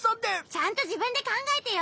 ちゃんとじぶんでかんがえてよ！